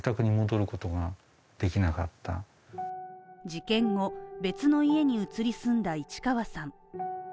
事件後、別の家に移り住んだ市川さん。